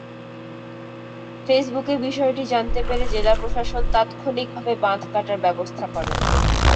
ফেসবুকে বিষয়টি জানতে পেরে জেলা প্রশাসন তাৎক্ষণিকভাবে বাঁধ কাটার ব্যবস্থা করে।